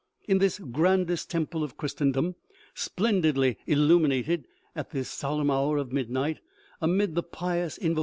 In this grandest temple of Christendom, splendidly illumina ted at the solemn hour of midnight, amid the pious invo OMEGA.